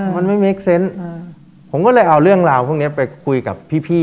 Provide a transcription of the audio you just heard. มันไม่เมคเซนต์ผมก็เลยเอาเรื่องราวพวกนี้ไปคุยกับพี่